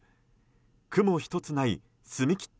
雲一つない澄み切った